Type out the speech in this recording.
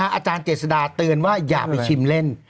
อาจารย์เจษดาเตือนว่าอย่าไปชิมเล่น